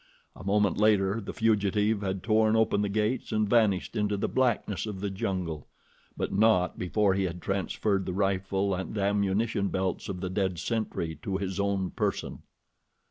A moment later the fugitive had torn open the gates and vanished into the blackness of the jungle, but not before he had transferred the rifle and ammunition belts of the dead sentry to his own person.